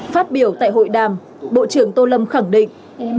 phát biểu tại hội đàm bộ trưởng tô lâm khẳng định